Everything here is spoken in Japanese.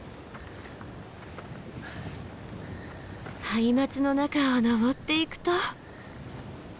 ハイマツの中を登っていくと。